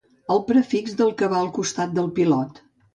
El prefix del que va al costat del pilot.